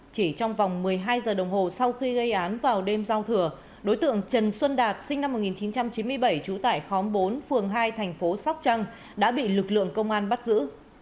chỉ trong vòng một mươi hai giờ đồng hồ sau khi gây án vào đêm giao thừa đối tượng trần xuân đạt sinh năm một nghìn chín trăm chín mươi bảy trú tải khóm bốn phường hai thành phố sóc trăng đã bị lực lượng công an bắt giữ